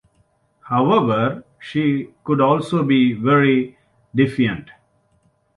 However she could also be very defiant.